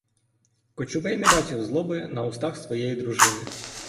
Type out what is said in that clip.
Кочубей не бачив злоби на устах своєї дружини.